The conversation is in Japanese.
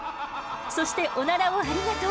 そしてオナラをありがとう！